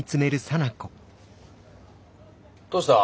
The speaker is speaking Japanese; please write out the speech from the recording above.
どうした？